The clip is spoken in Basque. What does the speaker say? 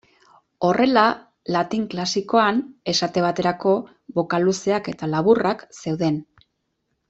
Horrela, latin klasikoan, esate baterako, bokal luzeak eta laburrak zeuden.